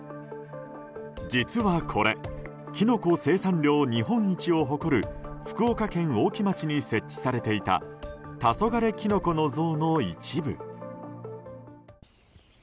実はこれキノコ生産量日本一を誇る福岡県大木町に設置されていた「黄昏きの子」の像の一部。